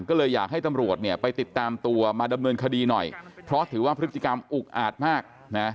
ก็เลยอยากให้ตำรวจเนี่ยไปติดตามตัวมาดำเนินคดีหน่อยเพราะถือว่าพฤติกรรมอุกอาจมากนะ